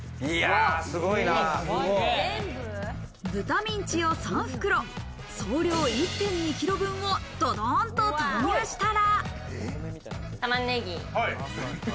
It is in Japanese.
豚ミンチを３袋、総量１．２キロ分をドドンと投入したら。